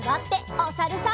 おさるさん。